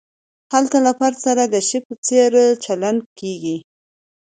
هلته له فرد سره د شي په څېر چلند کیږي.